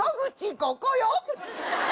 ここよ。